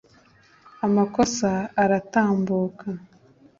amakosa aratambuka